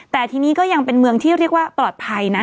แต่ทีนี้ก็ยังเป็นเมืองที่เรียกว่าปลอดภัยนะ